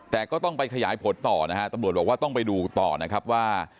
แต่ก็ต้องไปขยายผลต่อนะฮะตำรวจบอกว่าต้องไปดูต่อนะครับว่า